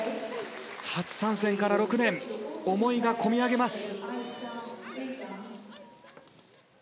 初参戦から６年思いがこみ上げます。